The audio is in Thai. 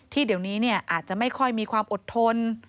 เดี๋ยวนี้อาจจะไม่ค่อยมีความอดทน